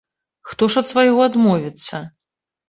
Хто ж ад свайго адмовіцца?